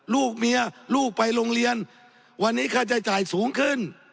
ลูกเมียลูกไปโรงเรียนวันนี้ค่าใช้จ่ายสูงขึ้น